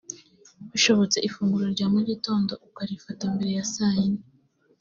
bishobotse ifunguro rya mu gitondo ukarifata mbere ya saa ine